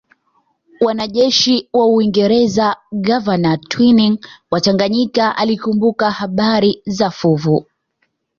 Wanajeshi wa Uingereza gavana Twining wa Tanganyika alikumbuka habari za fuvu